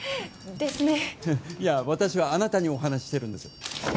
いや、私はあなたにお話ししてるんです。